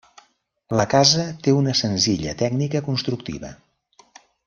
La casa té una senzilla tècnica constructiva.